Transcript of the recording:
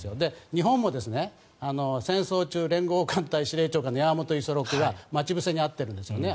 日本も戦争中連合艦隊司令官の山本五十六が、待ち伏せに遭っているんですよね。